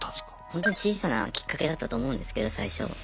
ほんとに小さなきっかけだったと思うんですけど最初。